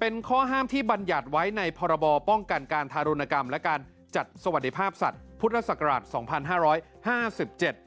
เป็นข้อห้ามที่บรรยัดไว้ในพรบป้องกันการธารณกรรมและการจัดสวัสดิภาพสัตว์พุทธศักราช๒๕๕๗